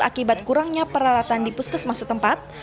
akibat kurangnya peralatan dipuskesmasa tempat